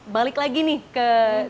balik lagi nih ke